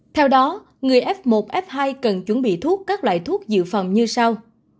theo đó người f một f hai cần chuẩn bị thuốc các loại thuốc dự phòng như sau